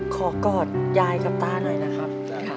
กอดยายกับต้าหน่อยนะครับ